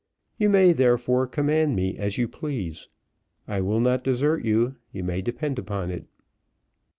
You may therefore command me as you please. I will not desert you, you may depend upon it."